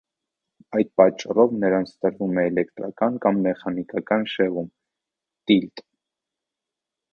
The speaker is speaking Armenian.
Այդ պատճառով նրանց տրվում է էլեկտրական կամ մեխանիկական շեղում (տիլտ)։